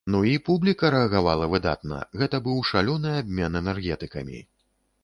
Ну і публіка рэагавала выдатна, гэта быў шалёны абмен энергетыкамі.